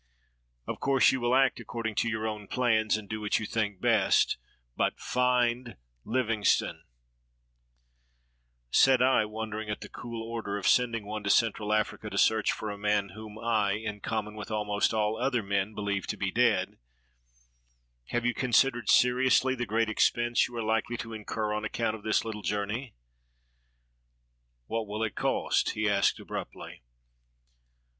Of course, you will act according to your own plans, and do what you think best — but find Livingstone !" Said I, wondering at the cool order of sending one to Central Africa to search for a man whom I, in common with almost all other men, beheved to be dead, "Have you considered seriously the great expense you are likely to incur on account of this Httle journey?" "What will it cost?" he asked abruptly.